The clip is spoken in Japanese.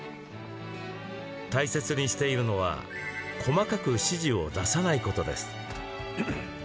大切にしているのは細かく指示を出さないことです。